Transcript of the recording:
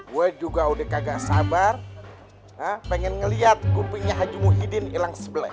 gue juga udah kagak sabar pengen ngeliat gumpingnya haji muhyiddin hilang sebelah